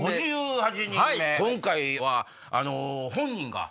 今回は。